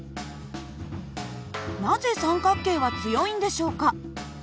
なぜ三角形は強いんでしょうか？